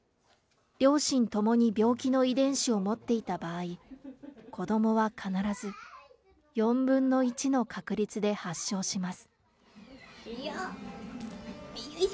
両親ともに病気の遺伝子を持っていた場合、子どもは必ず４分の１の確率で発症します。